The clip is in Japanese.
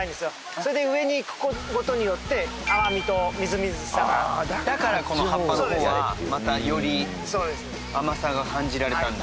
それで上にいくごとによって甘みと瑞々しさがだからこの葉っぱの方はそうですねまたよりそうです甘さが感じられたんだ